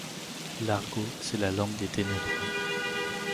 L’argot, c’est la langue des ténébreux.